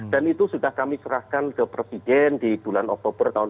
dan itu sudah kami serahkan ke presiden di bulan oktober tahun dua ribu tujuh belas